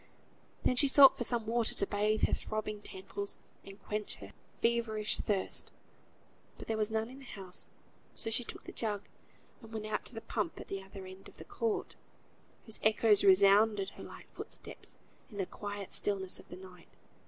Then she sought for some water to bathe her throbbing temples, and quench her feverish thirst. There was none in the house, so she took the jug and went out to the pump at the other end of the court, whose echoes resounded her light footsteps in the quiet stillness of the night.